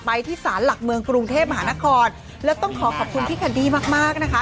ที่สารหลักเมืองกรุงเทพมหานครแล้วต้องขอขอบคุณพี่แคนดี้มากมากนะคะ